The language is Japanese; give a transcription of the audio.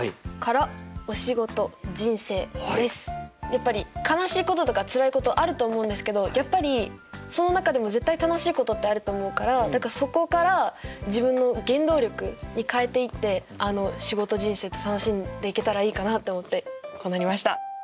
やっぱり悲しいこととか辛いことあると思うんですけどやっぱりその中でも絶対楽しいことってあると思うからだからそこから自分の原動力に変えていって仕事人生と楽しんでいけたらいいかなと思ってこうなりました。